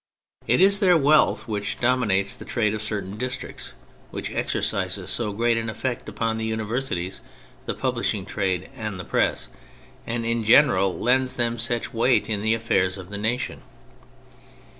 It is their wealth which 230 THE FRENCH REVOLUTION dominates the trade of certain districts, which exercises so great an effect upon the univer sities, the publishing trade, and the press; and in general lends them such weight in the affairs of the nation.